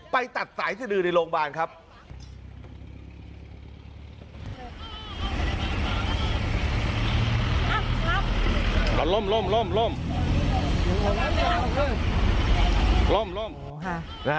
ไปตัดสายสดือในโรงพยาบาลครับ